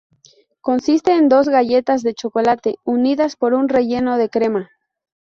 Consiste en dos galletas de chocolate unidas por un relleno de crema.